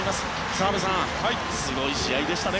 澤部さん、すごい試合でしたね。